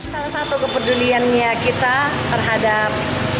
salah satu kepeduliannya kita terhadap